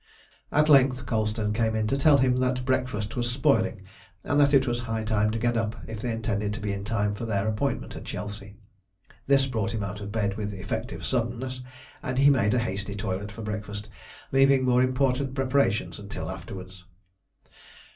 At length Colston came in to tell him that the breakfast was spoiling, and that it was high time to get up if they intended to be in time for their appointment at Chelsea. This brought him out of bed with effective suddenness, and he made a hasty toilet for breakfast, leaving more important preparations until afterwards.